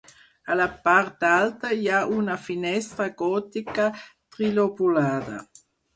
A la part alta hi ha una finestra gòtica trilobulada.